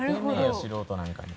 素人なんかに。